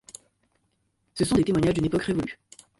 Ce sont des témoignages d'une époque révolue.